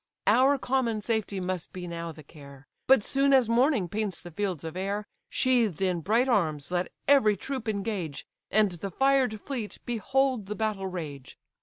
Our common safety must be now the care; But soon as morning paints the fields of air, Sheathed in bright arms let every troop engage, And the fired fleet behold the battle rage.